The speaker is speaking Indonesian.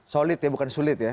solid ya bukan sulit ya